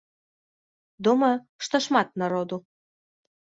Думаю, што шмат народу.